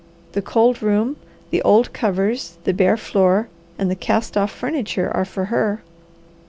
The cold room, the old covers, the bare floor, and the cast off furniture are for her.